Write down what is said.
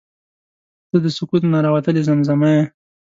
• ته د سکوت نه راوتلې زمزمه یې.